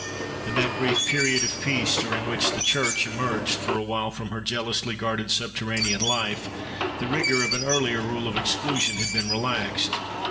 In that brief period of peace, during which the church emerged for awhile from her jealously guarded subterranean life, the rigour of an earlier rule of exclusion had been relaxed.